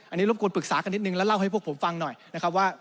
อันนี้รบกวนปรึกษากันนิดนึงแล้วเล่าให้พวกผมฟังหน่อยนะครับว่า